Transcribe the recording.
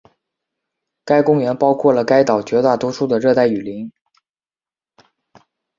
该公园包括了该岛绝大多数的热带雨林。